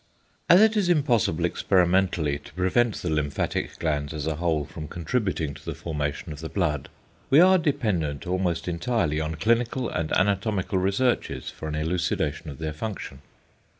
As it is impossible experimentally to prevent the lymphatic glands as a whole from contributing to the formation of the blood, we are dependent almost entirely on clinical and anatomical researches for an elucidation of their function.